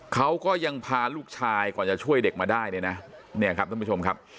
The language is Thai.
เขาก็ยังพาลูกชายก่อนจะช่วยเด็กมาได้เนี่ยนะเนี่ยครับท่านผู้ชมครับ